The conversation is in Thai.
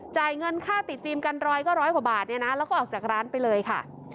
จ่ายเงินค่าติดฟิล์มกันร้อยก็ร้อยกว่าบาทเนี่ยนะแล้วก็ออกจากร้านไปเลยค่ะ